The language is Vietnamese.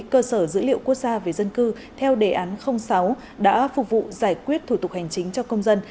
cơ sở dữ liệu quốc gia về dân cư theo đề án sáu đã phục vụ giải quyết thủ tục hành chính cho công dân